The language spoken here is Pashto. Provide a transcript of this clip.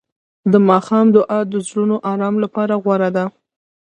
د ماښام دعا د زړونو آرام لپاره غوره ده.